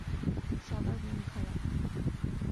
সবার মন খারাপ।